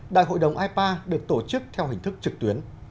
đại hội đồng ipa được tổ chức theo hình thức trực tuyến